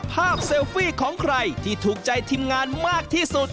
เซลฟี่ของใครที่ถูกใจทีมงานมากที่สุด